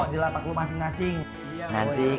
di latak lu masih ngasih